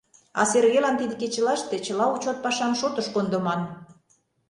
А Сергелан тиде кечылаште чыла учёт пашам шотыш кондыман.